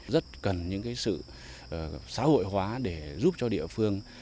rất cần những sự xã hội hóa để giúp cho địa phương